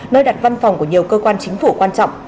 nơi đặt văn phòng của nhiều cơ quan chính phủ quan trọng